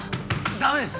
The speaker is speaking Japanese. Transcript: ダメです。